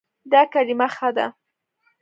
دا کلمه ښه ده